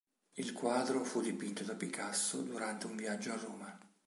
Il quadro fu dipinto da Picasso durante un viaggio a Roma.